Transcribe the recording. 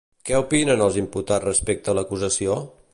Què opinen els imputats respecte a l'acusació?